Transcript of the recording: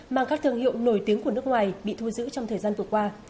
mang các thương hiệu nổi tiếng của nước ngoài bị thu giữ trong thời gian vừa qua